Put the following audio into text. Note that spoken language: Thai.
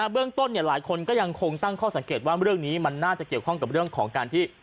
เรื่องต้นหลายคนก็ยังคงตั้งข้อสังเกตว่าเรื่องนี้มันน่าจะเกี่ยวข้องกับเรื่องของการที่